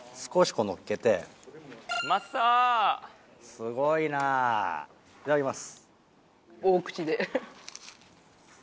すごいないただきます。